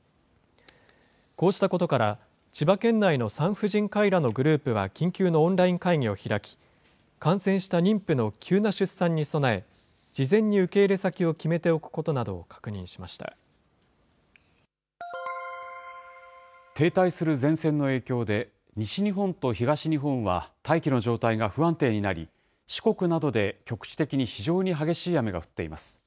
こうしたことから、千葉県内の産婦人科医らのグループは緊急のオンライン会議を開き、感染した妊婦の急な出産に備え、事前に受け入れ先を決めておくこ停滞する前線の影響で、西日本と東日本は大気の状態が不安定になり、四国などで局地的に非常に激しい雨が降っています。